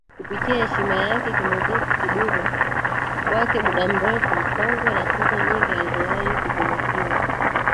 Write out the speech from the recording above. kupitia heshima yake kimuziki kudumu kwake muda mrefu ukongwe na tuzo nyingi alizowahi kutunukiwa